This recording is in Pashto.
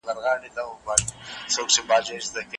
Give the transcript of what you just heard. شاه د هېواد خپلواکۍ ساتلو لپاره هڅې وکړې.